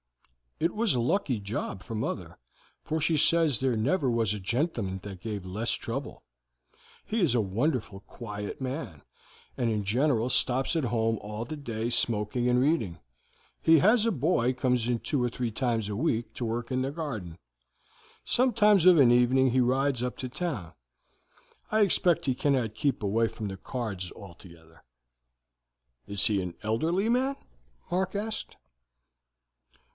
It was a lucky job for mother, for she says there never was a gentleman that gave less trouble. He is a wonderful quiet man, and in general stops at home all the day smoking and reading. He has a boy comes in two or three times a week to work in the garden. Sometimes of an evening he rides up to town. I expect he cannot keep away from the cards altogether." "Is he an elderly man?" Mark asked.